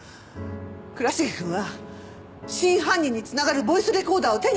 倉重くんは真犯人に繋がるボイスレコーダーを手に入れたのよ。